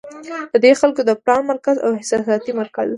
د دې خلکو د پلان مرکز او احساساتي مرکز